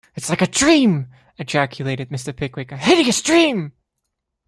‘It’s like a dream,’ ejaculated Mr. Pickwick, ‘a hideous dream'.